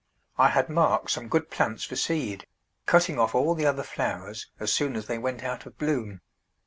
I had marked some good plants for seed, cutting off all the other flowers as soon as they went out of bloom.